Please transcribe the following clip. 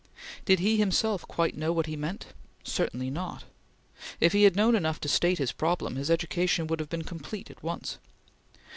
Did he himself quite know what he meant? Certainly not! If he had known enough to state his problem, his education would have been complete at once.